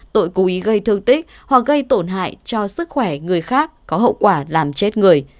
tội cố ý gây thương tích hoặc gây tổn hại cho sức khỏe người khác có hậu quả làm chết người